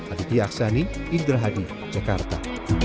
aditya aksani indra hadi jakarta